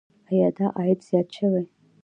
آیا دا عاید زیات شوی؟